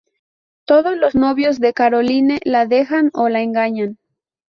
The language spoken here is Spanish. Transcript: Todos los novios de Caroline la dejan o la engañan.